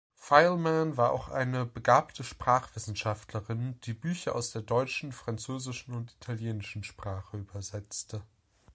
Fyleman war auch eine begabte Sprachwissenschaftlerin, die Bücher aus der deutschen, französischen und italienischen Sprache übersetzte.